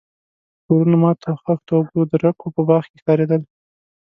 د کورونو ماتو خښتو او کودرکو په باغ کې ښکارېدل.